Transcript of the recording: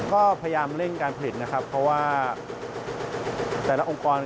ก็พยายามเร่งการผลิตนะครับเพราะว่าแต่ละองค์กร